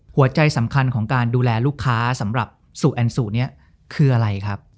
หัวใจสำคัญของการดูแลลูกค้าสำหรับซูแอนซูนี้คืออะไรครับ